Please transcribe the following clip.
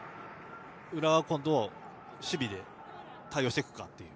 浦和が、今度は守備で対応してくるかという。